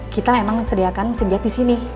kita emang sediakan mesin jahit disini